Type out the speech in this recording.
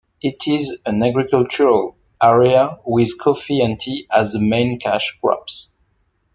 It is an agricultural area with coffee and tea as the main cash crops.